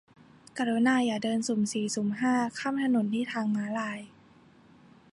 กรุณาอย่าเดินสุ่มสี่สุ่มห้า ข้ามถนนที่ทางม้าลาย